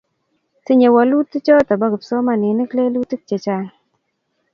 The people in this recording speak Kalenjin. Tinyei woluticho bo kipsomaninik lelutik che chang'